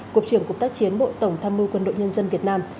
cục trưởng cục tác chiến bộ tổng tham mưu quân đội nhân dân việt nam